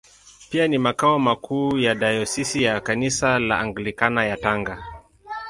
Pia ni makao makuu ya Dayosisi ya Kanisa la Anglikana ya Tanga.